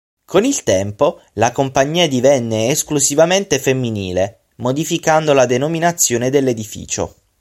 Con il tempo, la compagnia divenne esclusivamente femminile, modificando la denominazione dell'edificio.